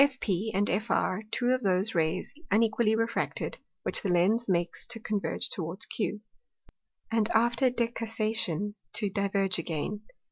FP, and FR two of those Rays unequally refracted, which the Lens makes to converge towards Q, and after decussation to diverge again.